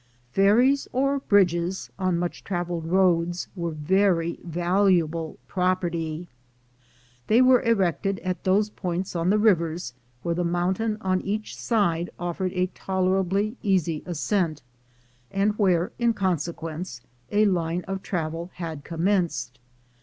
Ferries or bridges, on much traveled roads, were very valuable property. They were erected at those points on the rivers where the mountain on each side offered a tolerably easy ascent, and where, in conse quence, a line of travel had commenced.